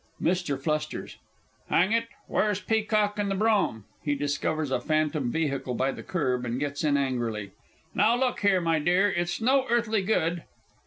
MR. F. Hang it! Where's Peacock and the brougham? (He discovers a phantom vehicle by the kerb, and gets in angrily.) Now, look here, my dear, it's no earthly good